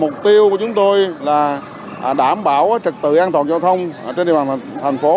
mục tiêu của chúng tôi là đảm bảo trật tự an toàn giao thông trên địa bàn thành phố